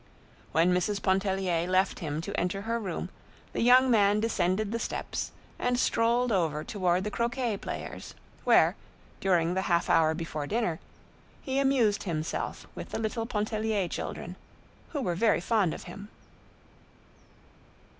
When Mrs. Pontellier left him to enter her room, the young man descended the steps and strolled over toward the croquet players, where, during the half hour before dinner, he amused himself with the little Pontellier children, who were very fond of him.